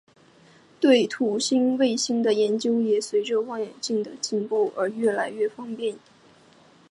对土星卫星的研究也随着望远镜的进步而越来越方便。